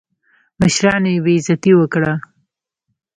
مشرانو یې بېعزتي وکړه.